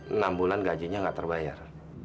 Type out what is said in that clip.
enam bulan gajinya nggak terbayar